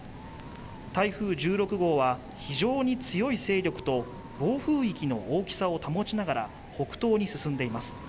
台風１６号は非常に強い勢力と暴風域の大きさを保ちながら北東に進んでいます。